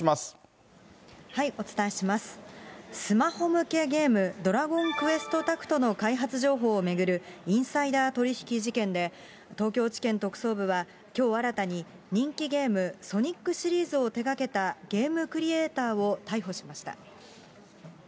スマホ向けゲーム、ドラゴンクエストタクトの開発情報を巡るインサイダー取り引き事件で、東京地検特捜部は、きょう新たに人気ゲーム、ソニックシリーズを手がけたゲームクリエーターを逮捕しました。